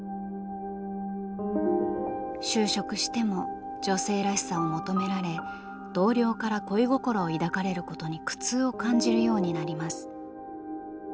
就職しても女性らしさを求められ同僚から恋心を抱かれることに苦痛を感じるようになります。